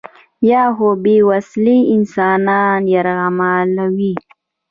یا هم بې وسلې انسانان یرغمالوي.